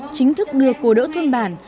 chính thức đưa cô đỡ thôn bản